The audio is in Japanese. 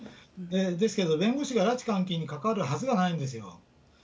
ですけど、弁護士が拉致監禁に関わるはずがないんですよ。